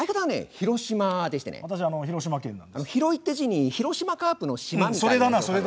「広い」って字に広島カープの「島」みたいなやつ。